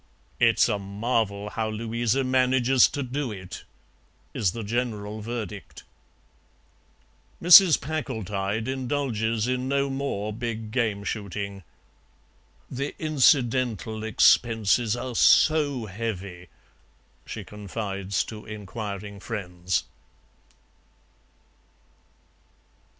"It is a marvel how Louisa manages to do it," is the general verdict. Mrs. Packletide indulges in no more big game shooting. "The incidental expenses are so heavy," she confides to inquiring friends.